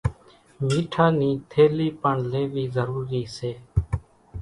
ميٺا نِي ٿيلي پڻ ليوِي ضرُورِي سي